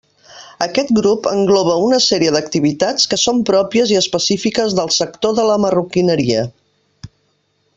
Aquest grup engloba una sèrie d'activitats que són pròpies i específiques del sector de la marroquineria.